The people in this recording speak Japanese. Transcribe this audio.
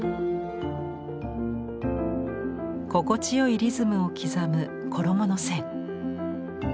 心地よいリズムを刻む衣の線。